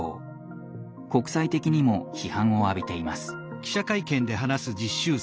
国際的にも批判を浴びています。